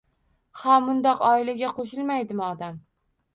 Ha, mundoq oilaga qoʻshilmaydimi odam?